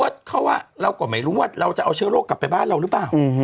เพราะว่าเราก็ไม่รู้ว่าเราจะเอาเชื้อโรคกลับไปบ้านเราหรือเปล่า